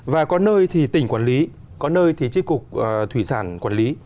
và có nơi thì tỉnh quản lý có nơi thì tri cục thủy sản quản lý